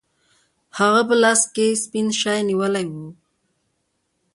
هغه په لاس کې سپین شی نیولی و.